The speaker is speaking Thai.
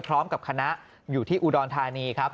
พร้อมกับคณะอยู่ที่อุดรธานีครับ